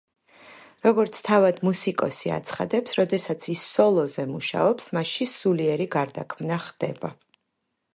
როგორც თავად მუსიკოსი აცხადებს, როდესაც ის სოლოზე მუშაობს მასში სულიერი გარდაქმნა ხდება.